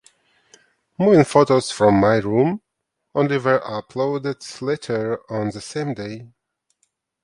Moving photos for "My Room" only were uploaded later on the same day.